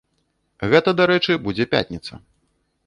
Гэта, дарэчы, будзе пятніца.